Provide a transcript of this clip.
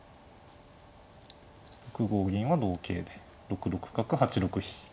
６五銀は同桂で６六角８六飛。